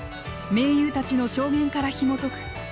盟友たちの証言からひもとく